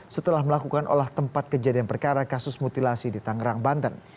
setelah melakukan olah tempat kejadian perkara kasus mutilasi di tangerang banten